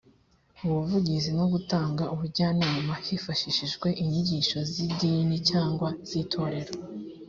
ubuvugizi no gutanga ubujyanama hifashishijwe inyigisho z idini cyangwa z itorero